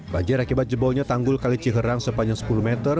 banjir akibat jebolnya tanggul kali ciherang sepanjang sepuluh meter